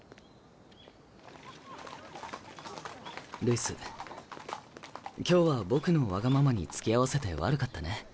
ルイス今日は僕のわがままにつきあわせて悪かったね。